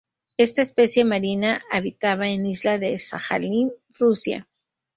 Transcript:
Esta especie marina habitaba en Isla de Sajalín, Rusia.